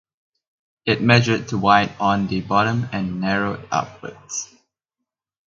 It measured to wide on the bottom and narrowed upwards.